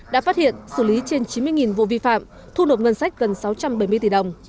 đã phát hiện xử lý trên chín mươi vụ vi phạm thu nộp ngân sách gần sáu trăm bảy mươi tỷ đồng